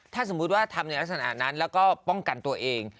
ถ้าสมมุติว่าทำในลักษณะนั้นแล้วก็ป้องกันตัวเอง